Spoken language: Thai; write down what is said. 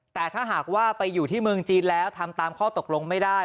แต่ถ้าหากว่าไปอยู่ที่เมืองจีนแล้วทำตามข้อตกลงไม่ได้